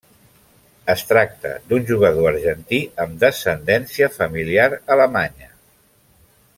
Es tracta d'un jugador argentí amb descendència familiar alemanya.